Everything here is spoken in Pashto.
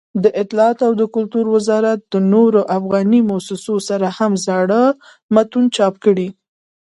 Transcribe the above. دطلاعاتو او کلتور وزارت د نورو افغاني مؤسسو سره هم زاړه متون چاپ کړي.